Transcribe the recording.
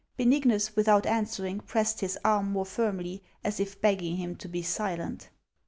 Benignus, without answering, pressed his arm more firmly, as if begging him to be silent.